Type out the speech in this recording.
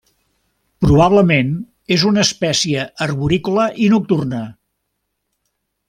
Probablement és una espècie arborícola i nocturna.